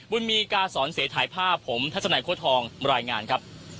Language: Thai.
บุญมีกาสอนเสถ่ายภาพผมทัศนัยโค้ดทองรายงานครับ